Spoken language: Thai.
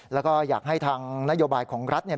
แล้วก็อยากให้ทางนโยบายของรัฐเนี่ย